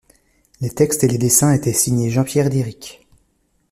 Les textes et les dessins étaient signés Jean-Pierre Dirick.